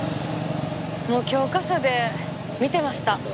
もう教科書で見てました。